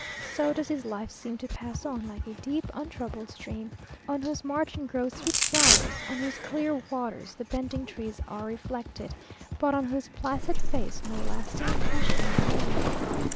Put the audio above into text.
So does his life seem to pass on like a deep untroubled stream, on whose margin grow sweet flowers, on whose clear waters the bending trees are reflected, but on whose placid face no lasting impression is made.